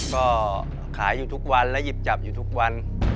ก็ขายอยู่ทุกวันและหยิบจับอยู่ทุกวัน